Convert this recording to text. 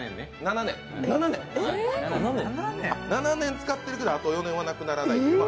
７年使っているけどあと４年はなくならない。